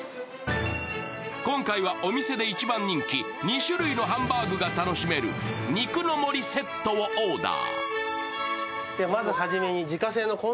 今回は、お店で一番人気、２種類のハンバーグが楽しめる肉の森セットをオーダー。